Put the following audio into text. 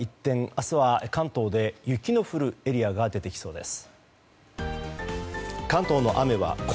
明日は関東で雪の降るエリアが出てきそうです。